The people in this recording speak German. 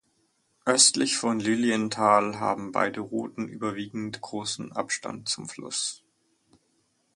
Östlich von Lilienthal haben beide Routen überwiegend großen Abstand zum Fluss.